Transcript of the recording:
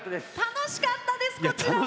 楽しかったですこちらも！